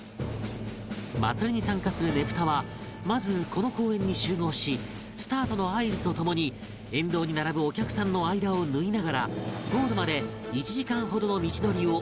祭りに参加するねぷたはまずこの公園に集合しスタートの合図とともに沿道に並ぶお客さんの間を縫いながらゴールまで１時間ほどの道のりを練り歩いていく